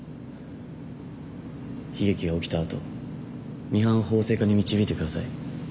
悲劇が起きた後ミハンを法制化に導いてください